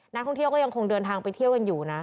นักท่องเที่ยวก็ยังคงเดินทางไปเที่ยวกันอยู่นะ